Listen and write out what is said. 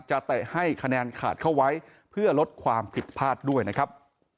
เตะให้คะแนนขาดเข้าไว้เพื่อลดความผิดพลาดด้วยนะครับ